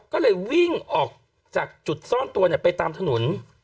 ก็เลยวิ่งออกจากจุดซ่อนตัวไปตามถนน